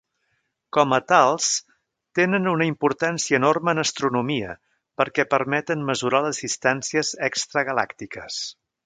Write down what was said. Com a tals, tenen una importància enorme en astronomia perquè permeten mesurar les distàncies extragalàctiques.